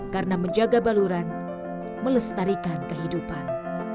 karena menjaga baluran melestarikan kehidupan